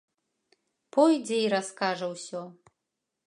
Пойдзе і раскажа ўсё.